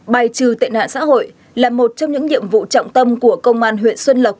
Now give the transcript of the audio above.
bài trừ tệ nạn xã hội là một trong những nhiệm vụ trọng tâm của công an huyện xuân lộc